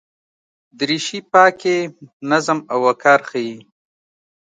دریشي پاکي، نظم او وقار ښيي.